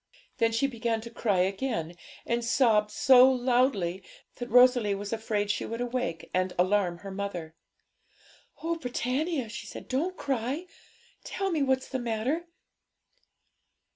Then she began to cry again, and sobbed so loudly that Rosalie was afraid she would awake and alarm her mother. 'Oh, Britannia,' she said, 'don't cry! Tell me what's the matter?'